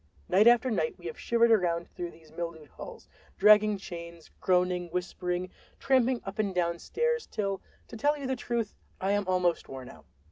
Night after night we have shivered around through these mildewed halls, dragging chains, groaning, whispering, tramping up and down stairs, till, to tell you the truth, I am almost worn out.